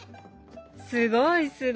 すごいすごい！